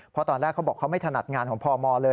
เพราะตอนแรกเขาบอกเขาไม่ถนัดงานของพมเลย